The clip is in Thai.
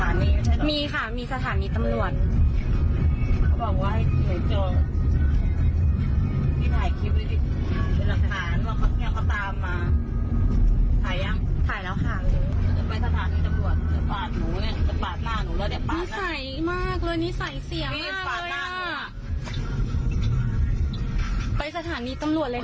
นิสัยมากเลยนิสัยเสียมากเลยไปสถานีตำรวจเลยค่ะ